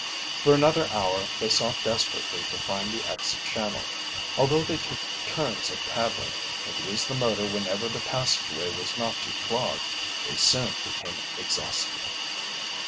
For another hour they sought desperately to find the exit channel. Although they took turns at paddling, and used the motor whenever the passageway was not too clogged, they soon became exhausted.